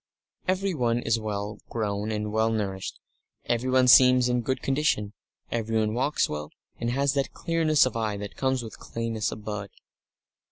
Everyone is well grown and well nourished; everyone seems in good condition; everyone walks well, and has that clearness of eye that comes with cleanness of blood.